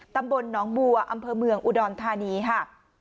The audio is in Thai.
ตำบลหนองบัวอำเภอเมืองอุดรธานีค่ะ